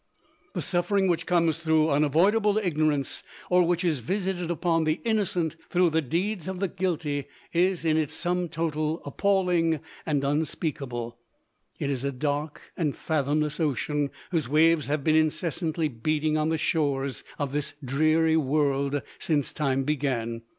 The suffering which comes through unavoidable ignorance, or which is visited upon the innocent through the deeds of the guilty, is, in its sum total, appalling and unspeakable. It is a dark and fathomless ocean, whose waves have been incessantly beating on the shores of this dreary world since time began.